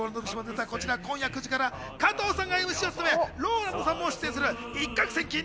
今夜９時から加藤さんがＭＣを務め、ＲＯＬＡＮＤさんも出演する『一攫千金！